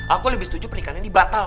aku lebih setuju pernikahan ini batal